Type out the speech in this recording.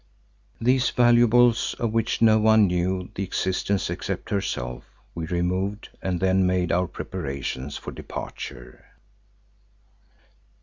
These valuables, of which no one knew the existence except herself, we removed and then made our preparations for departure.